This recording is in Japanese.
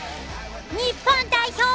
日本代表